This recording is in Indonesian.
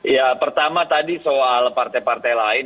ya pertama tadi soal partai partai lain